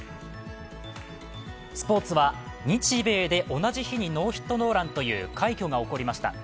スポーツは日米で同じ日にノーヒットノーランという快挙が起こりました。